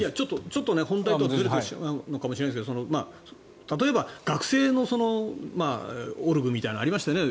ちょっと本題とはずれてしまうのかもしれないですけど例えば、学生のオルグみたいなのがありましたよね。